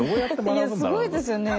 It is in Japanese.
いやすごいですよね